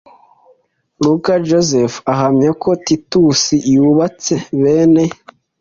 Luka Josephe ahamya ko Titus yubatse bene